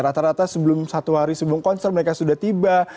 rata rata sebelum satu hari sebelum konser mereka sudah tiba